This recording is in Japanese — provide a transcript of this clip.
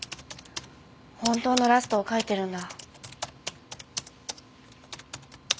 本当のラストを書いてるんだ。